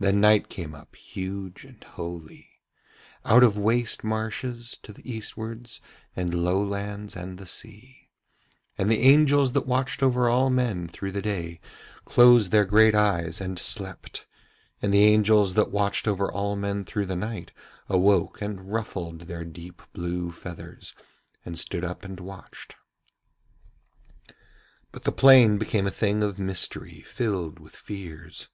Then night came up, huge and holy, out of waste marshes to the eastwards and low lands and the sea; and the angels that watched over all men through the day closed their great eyes and slept, and the angels that watched over all men through the night awoke and ruffled their deep blue feathers and stood up and watched. But the plain became a thing of mystery filled with fears.